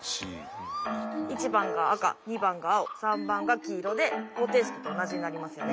１番が赤２番が青３番が黄色で方程式と同じになりますよね。